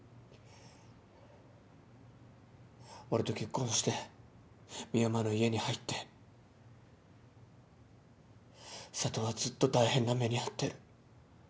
俺と結婚して深山の家に入って佐都はずっと大変な目に遭ってる。